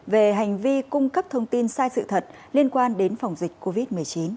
về hành vi cung cấp thông tin sai sự thật liên quan đến phòng dịch covid một mươi chín